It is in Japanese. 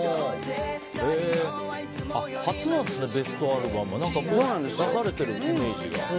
初なんですね、ベストアルバム。出されているイメージが。